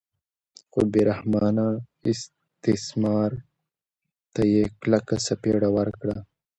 خو بې رحمانه استثمار ته یې کلکه څپېړه ورکړه.